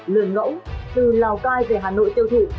lường lỗng từ lào cai về hà nội tiêu thụ